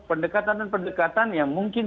pendekatan dan pendekatan yang mungkin